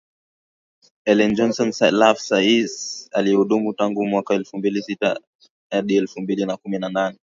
Ellen Johnson Sirleaf rais aliyehudumu tangu mwaka elfu mbili na sita hadi elfu mbili na kumi na nane